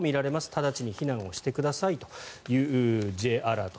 直ちに避難してくださいというＪアラート。